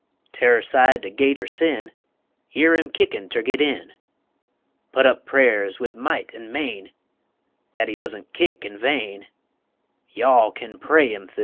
Tu'rr side de Gate er Sin, Year him kickin' ter git in, Putt up prayers wid might an' main, Dat he doesn' kick in vain, Y'all kin pray him thu.